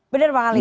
benar bang ali